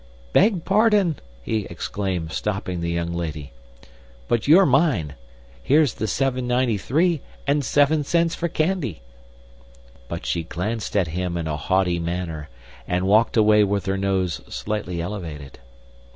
"Beg pardon!" he exclaimed, stopping the young lady; "but you're mine. Here's the seven ninety three, and seven cents for candy." But she glanced at him in a haughty manner, and walked away with her nose slightly elevated.